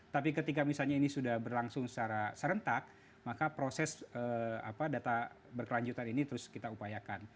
tapi ketika misalnya ini sudah berlangsung secara serentak maka proses data berkelanjutan ini terus kita upayakan